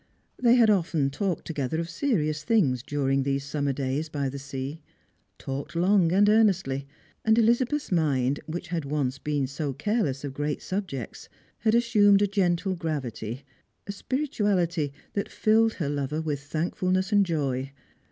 They had ofteu talked together of serious things during these summer days by the sea — talked long and earnestly; and Elizabeth's mind, which had once been so careless of great subjects, had assumed a gentle gravity ; a spirituality that tilled her lover with thank fulness and joy.